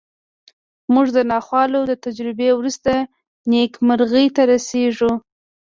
موږ د ناخوالو له تجربې وروسته نېکمرغۍ ته رسېږو